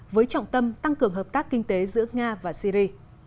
với trọng tâm tăng cường hợp tác kinh tế giữa nga và syri